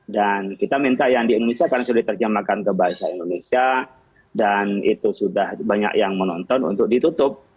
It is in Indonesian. dan kita minta yang di indonesia karena sudah diterjemahkan ke bahasa indonesia dan itu sudah banyak yang menonton untuk ditutup